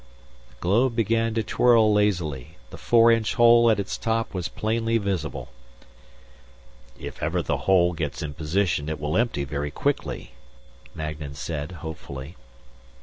The globe began to twirl lazily. The four inch hole at its top was plainly visible. "If ever the hole gets in position it will empty very quickly," Magnan said, hopefully.